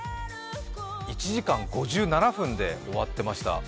１時間５７分で終わっていました。